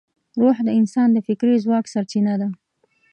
روح د انسان د فکري ځواک سرچینه ده.